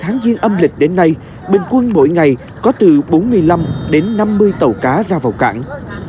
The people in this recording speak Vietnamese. tháng riêng âm lịch đến nay bình quân mỗi ngày có từ bốn mươi năm đến năm mươi tàu cá ra vào cảng